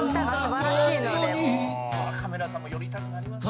「そりゃカメラさんも寄りたくなりますよ」